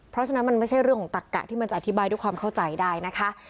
เพราะฉะนั้นมันไม่ใช่เรื่องของตักกะที่มันจะอธิบายด้วยความเข้าใจได้นะคะ